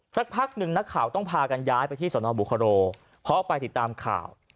สักพักหนึ่งนักข่าวต้องพากันย้ายไปที่สนบุคโรเพราะไปติดตามข่าว